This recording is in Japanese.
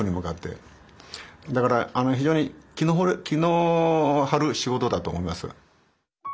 だから非常に気の張る仕事だと思います。